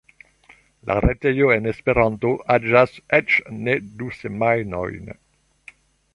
La retejo en Esperanto aĝas eĉ ne du semajnojn!